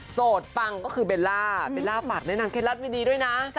สดฟังก็คือเบลล่าเบลล่าฝากในหนังเครดลัตต์ดีด้วยนะ